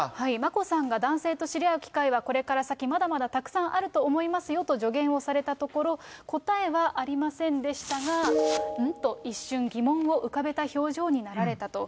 眞子さんが男性と知り合う機会はこれから先、まだまだたくさんあると思いますよと助言をされたところ、答えはありませんでしたが、うん？と一瞬、疑問を浮かべた表情になられたと。